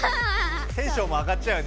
テンションも上がっちゃうよね